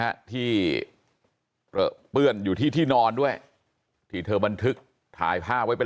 ฮะที่เปลือเปื้อนอยู่ที่ที่นอนด้วยที่เธอบันทึกถ่ายภาพไว้เป็น